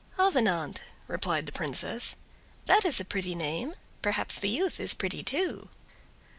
"Avenant!" repeated the Princess. "That is a pretty name; perhaps the youth is pretty too."